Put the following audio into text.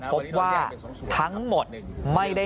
ปี๖๕วันเช่นเดียวกัน